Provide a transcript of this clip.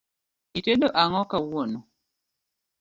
Itedo ang'o kawuono